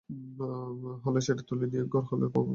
হলা সেটা তুলে নিয়ে গড় হয়ে প্রণাম করলে।